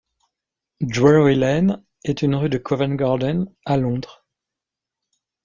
Drury Lane est une rue de Covent Garden à Londres.